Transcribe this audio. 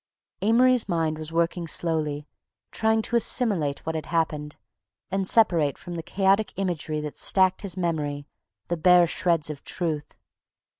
Amory's mind was working slowly, trying to assimilate what had happened and separate from the chaotic imagery that stacked his memory the bare shreds of truth.